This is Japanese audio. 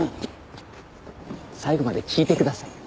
最後まで聞いてくださいよ。